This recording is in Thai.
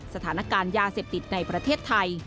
สถานการณ์ยาเสพติดในประเทศไทย